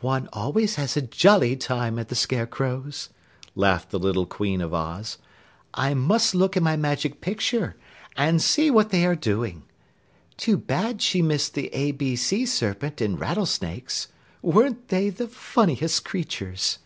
"One always has a jolly time at the Scarecrow's," laughed the little Queen of Oz. "I must look in my Magic Picture and see what they are doing. Too bad she missed the A B Sea Serpent and Rattlesnakes. Weren't they the funniest creatures?"